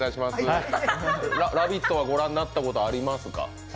「ラヴィット！」はご覧になったことはありますか？